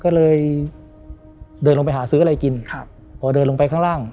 ก็เลยเดินลงไปหาซื้ออะไรกินครับพอเดินลงไปข้างล่าง